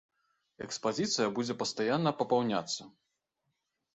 Экспазіцыя будзе пастаянна папаўняцца.